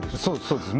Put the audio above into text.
そうです